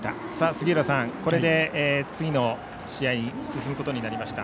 杉浦さん、これで次の試合に進むことになりました